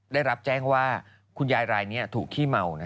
ได้รับแจ้งว่าคุณยายรายนี้ถูกขี้เมา